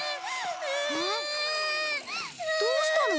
どうしたの？